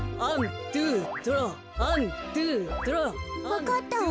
わかったわ。